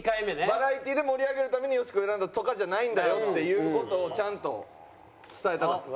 バラエティーで盛り上げるためによしこを選んだとかじゃないんだよっていう事をちゃんと伝えたかった。